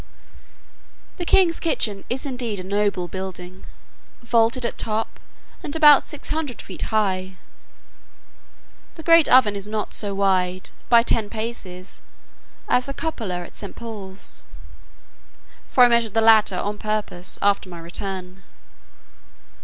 The king's kitchen is indeed a noble building, vaulted at top, and about six hundred feet high. The great oven is not so wide, by ten paces, as the cupola at St. Paul's: for I measured the latter on purpose, after my return.